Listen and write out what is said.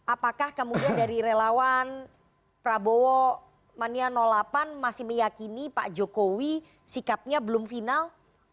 apakah kemudian dari relawan prabowo mania delapan masih meyakini pak jokowi sikapnya belum final